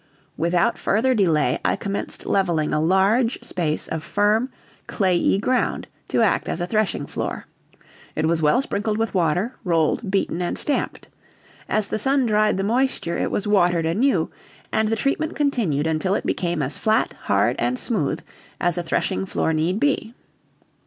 Without further delay, I commenced leveling a large space of firm, clayey ground to act as a threshing floor; it was well sprinkled with water, rolled, beaten, and stamped; as the sun dried the moisture it was watered anew, and the treatment continued until it became as flat, hard, and smooth as threshing floor need be.